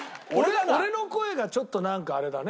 俺の声がちょっとなんかあれだね。